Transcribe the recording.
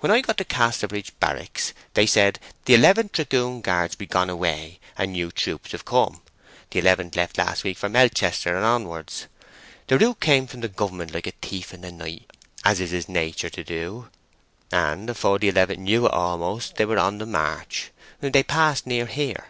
When I got to Casterbridge Barracks, they said, 'The Eleventh Dragoon Guards be gone away, and new troops have come.' The Eleventh left last week for Melchester and onwards. The Route came from Government like a thief in the night, as is his nature to, and afore the Eleventh knew it almost, they were on the march. They passed near here."